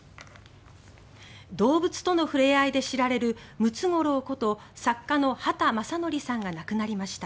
動物との触れ合いで知られるムツゴロウこと作家の畑正憲さんが亡くなりました。